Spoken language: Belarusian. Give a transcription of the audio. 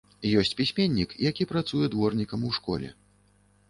Ёсць пісьменнік, які працуе дворнікам у школе.